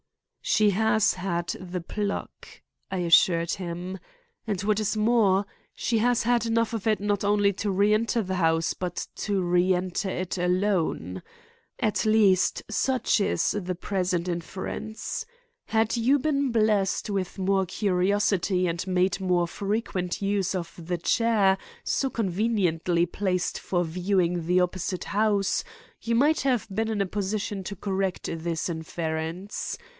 "She has had the pluck," I assured him; "and what is more, she has had enough of it not only to reenter the house, but to reenter it alone. At least, such is the present inference. Had you been blessed with more curiosity and made more frequent use of the chair so conveniently placed for viewing the opposite house, you might have been in a position to correct this inference.